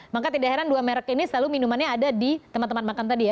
maka tidak heran dua merek ini selalu minumannya ada di teman teman makan tadi ya